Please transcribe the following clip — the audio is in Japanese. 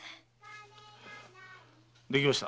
できました。